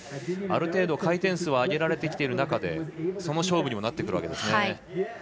ある程度、回転数を上げられてきている中での勝負になってくるわけですね。